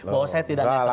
bahwa saya tidak minta lagi